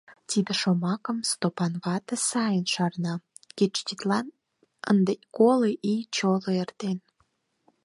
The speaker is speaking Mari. Тиде шомакым Стопан вате сайын шарна, кеч тидлан ынде коло ий чоло эртен.